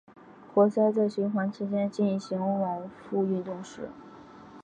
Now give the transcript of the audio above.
活塞在循环期间进行往复运动时。